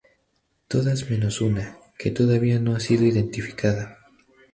Todas menos una, que todavía no ha sido identificada.